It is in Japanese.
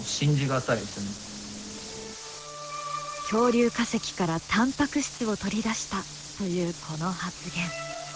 恐竜化石からタンパク質を取り出したというこの発言。